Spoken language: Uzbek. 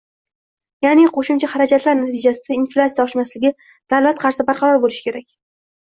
Ya'ni, qo'shimcha xarajatlar natijasida -inflyatsiya oshmasligi, davlat qarzi barqaror bo'lishi kerak